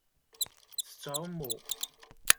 Tettɛummu.